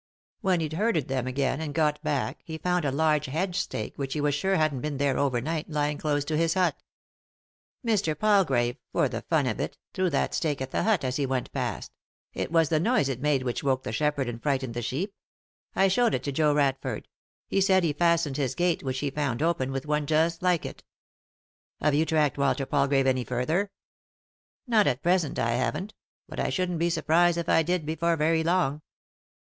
When he'd herded them again, and got back, he found a large hedge stake, which he was sure hadn't been there over night, lying close to his hut Mr. Palgrave, for the fun of it, threw that stake at the hut as he went past— it was the noise it made which woke the shepherd and frightened the sheep. I showed it to Joe Radford; he said he fastened his gate, which he found open, with one just like it" " Have you tracked Walter Palgrave any further ?" "Not at present I haven't, but I shouldn't be surprised if I did before very long."